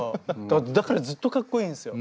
だからずっとかっこいいんですよ。